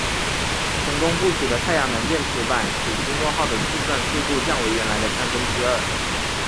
成功布署的太阳能电池板使朱诺号的自转速度降为原来的三分之二。